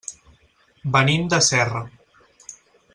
Venim de Serra.